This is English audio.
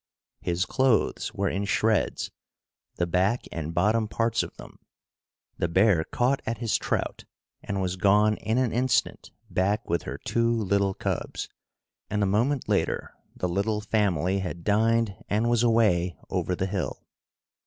His clothes were in shreds, the back and bottom parts of them. The bear caught at his trout and was gone in an instant back with her two little cubs, and a moment later the little family had dined and was away, over the hill.